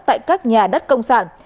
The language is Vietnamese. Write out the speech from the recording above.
tại các nhà đất công sản